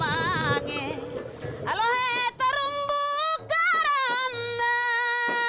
akan kering jauh akan kering jauh